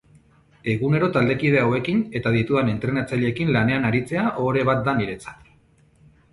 Egunero taldekide hauekin eta ditudan entrenatzaileekin lanean aritzea ohore bat da niretzat.